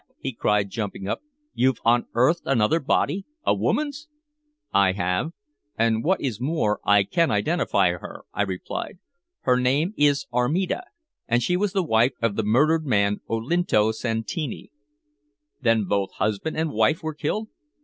he cried, jumping up. "You've unearthed another body a woman's?" "I have. And what is more, I can identify her," I replied. "Her name is Armida, and she was wife of the murdered man Olinto Santini." "Then both husband and wife were killed?"